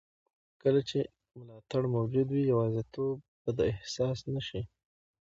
کله چې ملاتړ موجود وي، یوازیتوب به احساس نه شي.